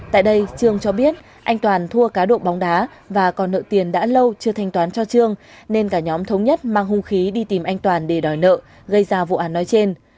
tại đây trương cho biết anh toàn thua cá độ bóng đá và còn nợ tiền đã lâu chưa thanh toán cho trương nên cả nhóm thống nhất mang hung khí đi tìm anh toàn để đòi nợ gây ra vụ án nói trên